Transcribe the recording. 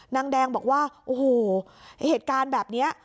นางแดงบอกว่าโอ้โหเหตุการณ์แบบนี้